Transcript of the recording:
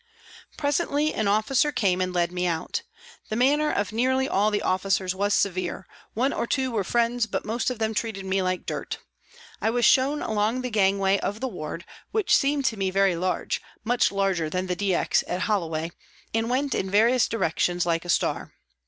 Presently an officer came and led me out. The manner of nearly all the officers was severe ; one or two were friends but most of them treated me like dirt. I was shown along the gangway of the ward, which seemed to me very large, much larger than the D X at Hollo way, and went in various direc tions like a star.